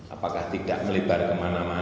apakah tidak melebar kemana mana